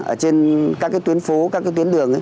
ở trên các tuyến phố các tuyến đường